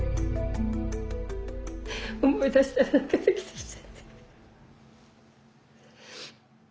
思い出したら泣けてきちゃった。